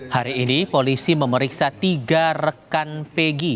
hari ini polisi memeriksa tiga rekan pegi